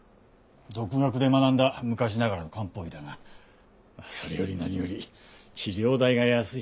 独学で学んだ昔ながらの漢方医だがそれより何より治療代が安い。